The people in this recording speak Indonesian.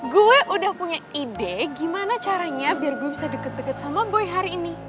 gue udah punya ide gimana caranya biar gue bisa deket deket sama boy hari ini